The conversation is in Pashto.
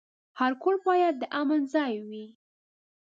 هر کور باید د امن ځای وي.